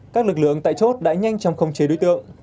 các lực lượng tại chốt đã nhanh chóng không chế đối tượng